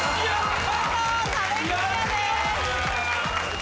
見事壁クリアです。